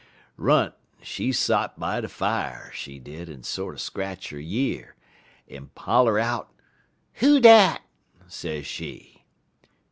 _ "Runt she sot by de fier, she did, en sorter scratch 'er year, en holler out: "'Who dat?' sez she.